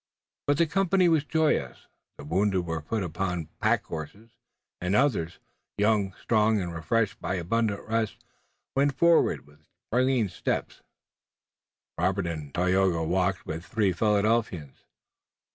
But the company was joyous. The wounded were put upon the pack horses, and the others, young, strong and refreshed by abundant rest, went forward with springing steps. Robert and Tayoga walked with the three Philadelphians.